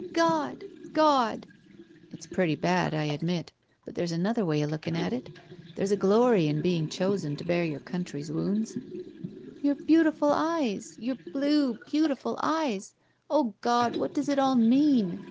'*God! God!" ''It's pretty bad, I admit. But there's another way of looking at it. There's a glory in being chosen to bear your country's wounds." Your beautiful eyes! Your blue, beautiful eyes! O God, what does it all mean?